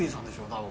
多分。